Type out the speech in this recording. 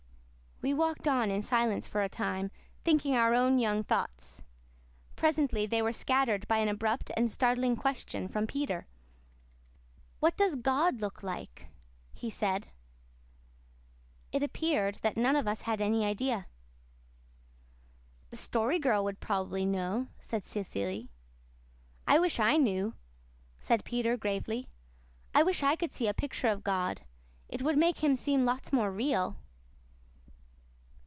We walked on in silence for a time, thinking our own young thoughts. Presently they were scattered by an abrupt and startling question from Peter. "What does God look like?" he said. It appeared that none of us had any idea. "The Story Girl would prob'ly know," said Cecily. "I wish I knew," said Peter gravely. "I wish I could see a picture of God. It would make Him seem lots more real."